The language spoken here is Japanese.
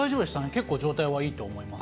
結構、状態はいいと思います。